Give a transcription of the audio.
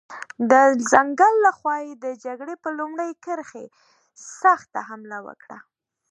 د ځنګل له خوا یې د جګړې پر لومړۍ کرښې سخته حمله وکړه.